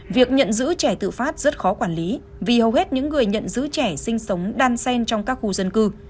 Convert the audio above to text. việc nhận giữ trẻ tự phát rất khó quản lý vì hầu hết những người nhận giữ trẻ sinh sống đan sen trong các khu dân cư